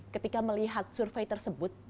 ketika melihat survei tersebut